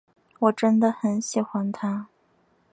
我真的很喜欢他。